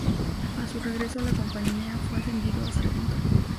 A su regreso a la compañía, fue ascendido a sargento.